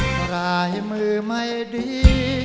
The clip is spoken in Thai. ฝ่ามือไม่ดี